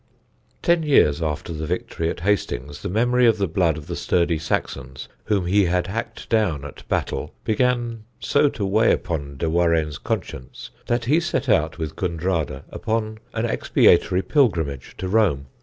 Ten years after the victory at Hastings the memory of the blood of the sturdy Saxons whom he had hacked down at Battle began so to weigh upon de Warenne's conscience that he set out with Gundrada upon an expiatory pilgrimage to Rome.